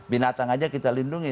binatang aja kita lindungi